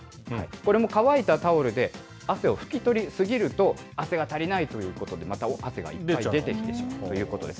これも乾いたタオルで汗を拭き取り過ぎると、汗が足りないということでまた汗がいっぱい出てきてしまうということです。